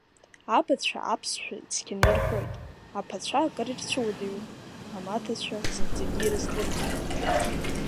Абацәа аԥсшәа цқьаны ирҳәоит, аԥацәа акыр ирцәыуадаҩуп, амаҭацәа зынӡагьы ирыздырӡом.